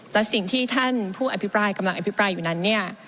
และสิ่งที่ท่านผู้อภิปรายกำลังอภิปรายอยู่นั้นเนี่ย